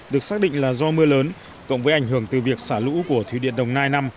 được xác định là do mưa lớn cộng với ảnh hưởng từ việc xả lũ của thủy điện đồng nai năm